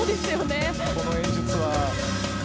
この演出は。